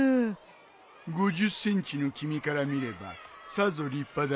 ５０ｃｍの君から見ればさぞ立派だろうね。